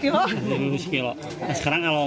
per kilo itu bu